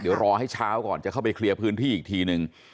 เดี๋ยวรอให้เช้าก่อนจะเข้าไปเคลียร์พื้นที่อีกทีหนึ่ง